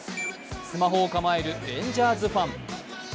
スマホを構えるレンジャーズファン。